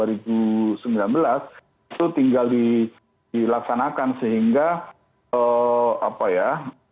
itu tinggal dilaksanakan sehingga apa ya